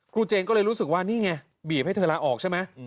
เจนก็เลยรู้สึกว่านี่ไงบีบให้เธอลาออกใช่ไหม